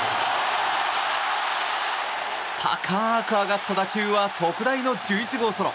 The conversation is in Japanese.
高く上がった打球は特大の１１号ソロ。